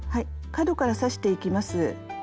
角から刺していきます。